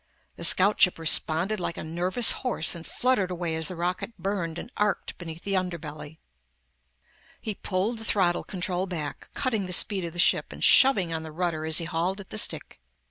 The scout ship responded like a nervous horse and fluttered away as the rocket burned and arced beneath the underbelly. He pulled the throttle control back, cutting the speed of the ship and shoving on the rudder as he hauled at the stick.